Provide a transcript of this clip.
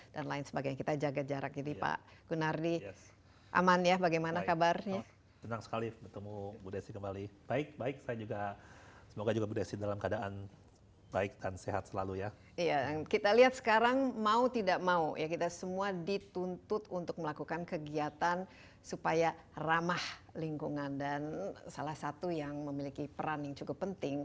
dan juga untuk mengembangkan kemampuan ekonomi